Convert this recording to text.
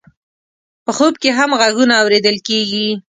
په خوب کې هم غږونه اورېدل کېږي.